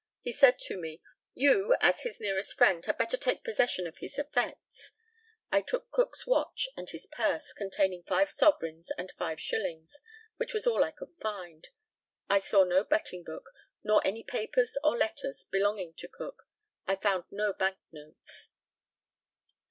He said to me, "You, as his nearest friend, had better take possession of his effects." I took Cook's watch and his purse, containing five sovereigns and five shillings, which was all I could find. I saw no betting book, nor any papers or letters belonging to Cook. I found no bank notes.